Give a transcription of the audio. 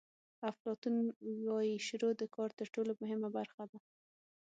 افلاطون وایي شروع د کار تر ټولو مهمه برخه ده.